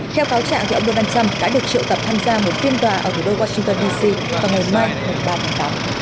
theo cáo trạng ông donald trump đã được triệu tập tham gia một phiên tòa ở thủ đô washington d c vào ngày ba tháng tám